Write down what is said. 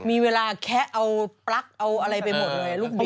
มีเวลาแคะเอาปลั๊กเอาอะไรไปหมดเลยลูกบิ